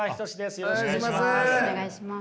よろしくお願いします。